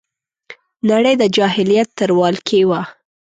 نړۍ د جاهلیت تر ولکې وه